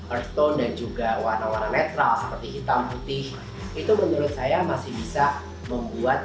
earthtone dan juga warna warna netral seperti hitam putih itu menurut saya masih bisa membuat